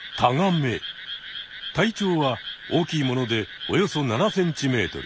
体長は大きいものでおよそ７ｃｍ。